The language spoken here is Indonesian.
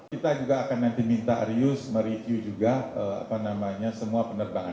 kita juga akan nanti minta rius mereview juga semua penerbangan